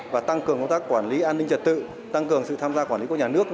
và tăng cường công tác quản lý an ninh trật tự tăng cường sự tham gia quản lý của nhà nước